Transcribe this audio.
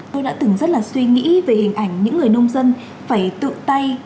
tôi đã từng rất là suy nghĩ về hình ảnh những người nông dân phải tự tay